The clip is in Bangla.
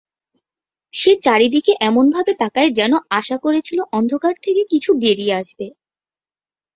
সে চারিদিকে এমনভাবে তাকায় যেন আশা করছিল অন্ধকার থেকে কিছু বেরিয়ে আসবে।